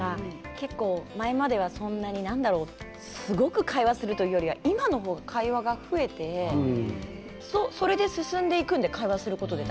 前までは、そんなにすごく会話するというよりは今の方が会話が増えてそれで進んでいくんですよ会話することで。